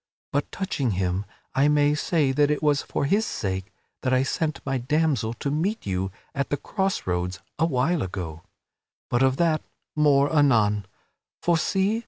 But touching him, I may say that it was for his sake that I sent my damsel to meet you at the cross roads awhile ago. But of that, more anon; for see!